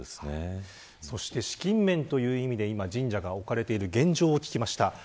資金面という意味で神社が置かれている現状を聞きました。